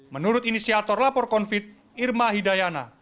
menurut inisiator lapor covid irma hidayana